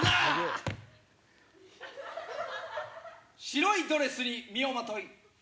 白いドレスに身をまとい。